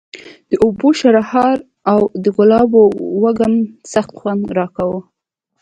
د اوبو شرهار او د ګلابو وږم سخت خوند راکاوه.